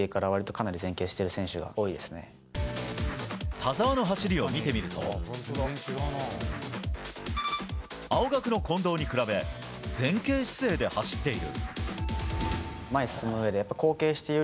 田澤の走りを見てみると青学の近藤に比べ前傾姿勢で走っている。